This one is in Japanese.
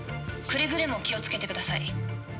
くれぐれも気をつけて下さい。